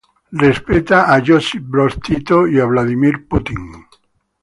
Respeta a Josip Broz Tito y Vladimir Putin.